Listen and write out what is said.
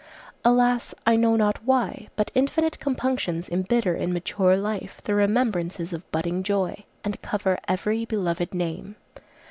Alas! I know not why, but infinite compunctions embitter in mature life the remembrances of budding joy and cover every beloved name.